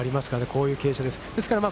こういう傾斜です。